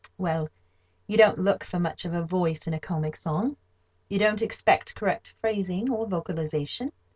Well, you don't look for much of a voice in a comic song. You don't expect correct phrasing or vocalization.